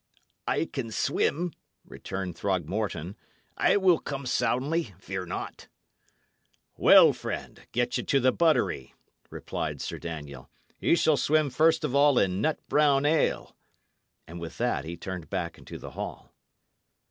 "I can swim," returned Throgmorton. "I will come soundly, fear not." "Well, friend, get ye to the buttery," replied Sir Daniel. "Ye shall swim first of all in nut brown ale." And with that he turned back into the hall.